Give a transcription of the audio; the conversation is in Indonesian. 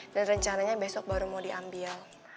dan rencananya besok baru mau diambil